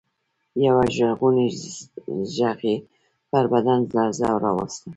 يوه ژړغوني غږ يې پر بدن لړزه راوسته.